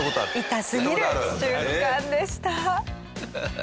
痛すぎる瞬間でした。